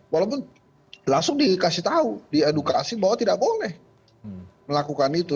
walaupun langsung dikasih tahu diedukasi bahwa tidak boleh melakukan itu